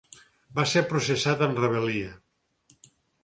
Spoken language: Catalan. Va ser processat en rebel·lia.